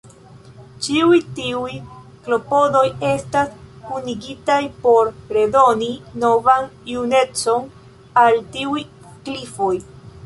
Ĉiuj tiuj klopodoj estas kunigitaj por redoni novan junecon al tiuj klifoj.